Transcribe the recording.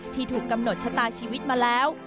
ถูกกำหนดชะตาชีวิตมาแล้ว